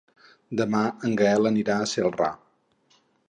Demà en Gaël anirà a Celrà.